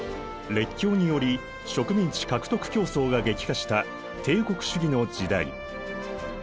列強により植民地獲得競争が激化した帝国主義の時代。